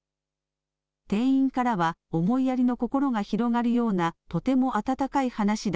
店員からは思いやりの心が広がるようなとても温かい話だ。